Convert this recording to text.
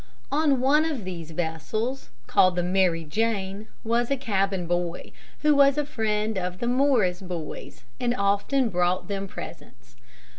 On one of these vessels, called the "Mary Jane," was a cabin boy, who was a friend of the Morris boys, and often brought them presents.